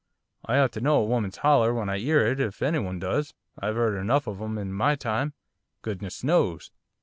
I ought to know a woman's holler when I 'ear it, if any one does, I've 'eard enough of 'em in my time, goodness knows.